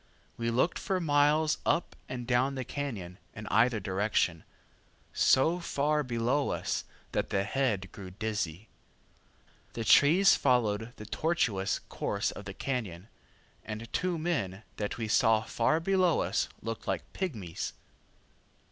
We looked for miles up and down the cañon, in either direction, so far below us that the head grew dizzy. The trees followed the tortuous course of the cañon, and two men that we saw far below us looked like pigmies.